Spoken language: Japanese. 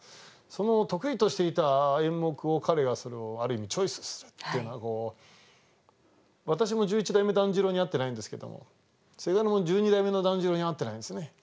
その得意としていた演目を彼がそれをある意味チョイスするっていうのが私も十一代目團十郎に会ってないんですけどもせがれも十二代目の團十郎に会ってないんですね。